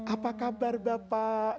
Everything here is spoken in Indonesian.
apa kabar bapak